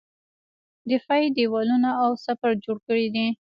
دفاعي دېوالونه او سپر جوړ کړي.